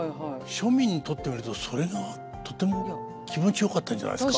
庶民にとってみるとそれはとても気持ちよかったんじゃないですか。